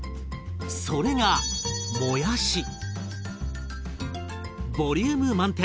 それがボリューム満点！